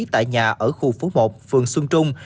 tại nhà ở khu phố một phường xuân trung